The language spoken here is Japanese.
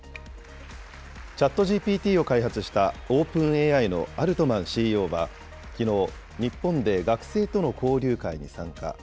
ＣｈａｔＧＰＴを開発したオープンＡＩのアルトマンＣＥＯは、きのう日本で学生との交流会に参加。